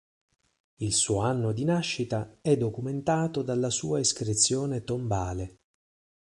Il suo anno di nascita è documentato dalla sua iscrizione tombale.